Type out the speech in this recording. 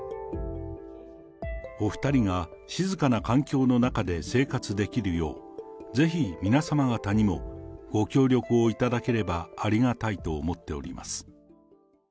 お２人が静かな環境の中で生活できるよう、ぜひ皆様方にも、ご協力をいただければありがたいと思っております。